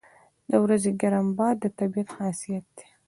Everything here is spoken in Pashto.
• د ورځې ګرم باد د طبیعت خاصیت دی.